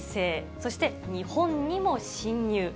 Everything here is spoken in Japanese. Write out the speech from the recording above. そして日本にも侵入。